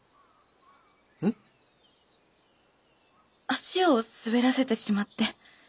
足を滑らせてしまって。